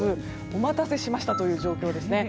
お待たせしましたという状況ですね。